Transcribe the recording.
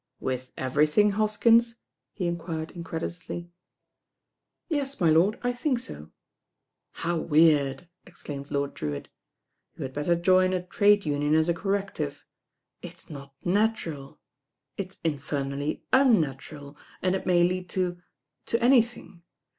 "With everything, Hoskins?" he enquired in credulously. "Yes, my lord, I think so." "How weird," exclaimed Lord Drewitt. "You had better join a trade union as a corrective. It's not natural. It's infernally unnatural, and it may lead to— to anything.